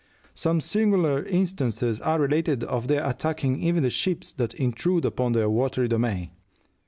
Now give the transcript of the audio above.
Some singular instances are related of their attacking even the ships that intrude upon their watery domain.